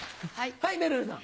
はいめるるさん。